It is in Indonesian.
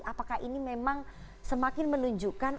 apakah ini memang semakin menunjukkan